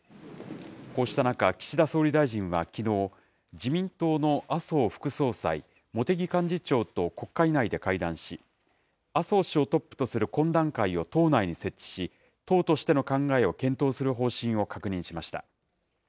こうした中、岸田総理大臣はきのう、自民党の麻生副総裁、茂木幹事長と国会内で会談し、麻生氏をトップとする懇談会を党内に設置し、党としての考えを検討する方針を確認しました。